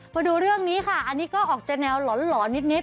มาดูเรื่องนี้ค่ะอันนี้ก็ออกจะแนวหลอนนิด